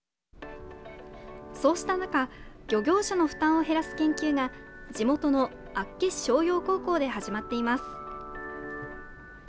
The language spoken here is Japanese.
そうした中漁業者の負担を減らす研究が地元の厚岸翔洋高校で始まっています。